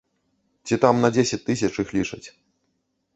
Ці там на дзесяць тысяч іх лічаць.